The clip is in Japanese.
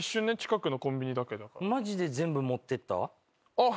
あっ。